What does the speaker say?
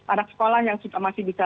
anak sekolah yang masih bisa